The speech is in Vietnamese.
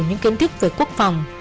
những kiến thức về quốc phòng